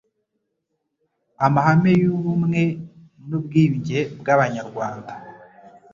amahame y ubumwe n ubwiyunge bw abanyarwanda